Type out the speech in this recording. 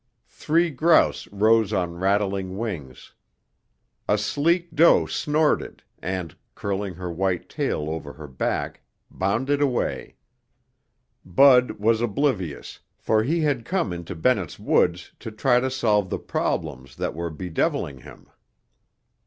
Three grouse rose on rattling wings. A sleek doe snorted and, curling her white tail over her back, bounded away. Bud was oblivious, for he had come into Bennett's Woods to try to solve the problems that were bedeviling him.